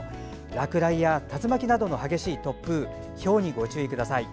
落雷や竜巻などの激しい突風ひょうにご注意ください。